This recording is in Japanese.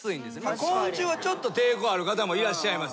昆虫はちょっと抵抗ある方もいらっしゃいます。